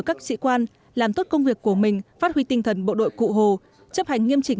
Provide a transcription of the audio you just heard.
các sĩ quan làm tốt công việc của mình phát huy tinh thần bộ đội cụ hồ chấp hành nghiêm chỉnh